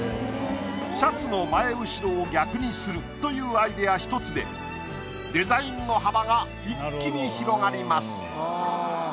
シャツの前後を逆にするというアイデア１つでデザインの幅が一気に広がります。